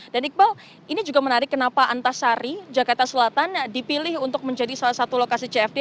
dan iqbal ini juga menarik kenapa antasari jakarta selatan dipilih untuk menjadi salah satu lokasi cfd